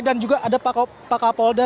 dan juga ada pak kapolda